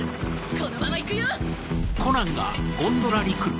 このまま行くよ！